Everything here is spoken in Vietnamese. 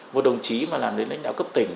một đồng chí mà làm đến lãnh đạo cấp tỉnh